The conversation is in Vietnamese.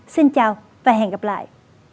xin chào và hẹn gặp lại